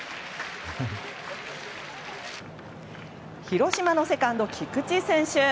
広島のセカンド、菊池選手。